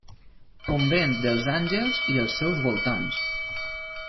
Convent dels Àngels i els seus voltants.